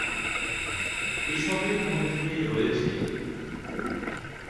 এসবের মধ্যে রয়েছেঃ